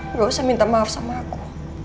nggak usah minta maaf sama aku